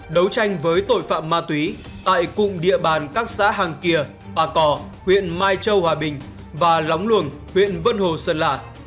đấu tranh với tội phạm ma túy tại cụm địa bàn các xã hàng kìa bà cò huyện mai châu hòa bình và lóng luồng huyện vân hồ sơn la